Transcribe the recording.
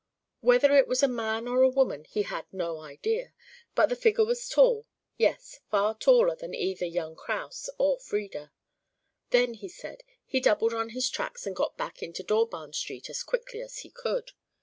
Whether it was a man or a woman he had no idea, but the figure was tall yes far taller than either young Kraus or Frieda. Then, he said, he doubled on his tracks and got back into Dawbarn Street as quickly as he could.